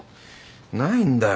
ないんだよ。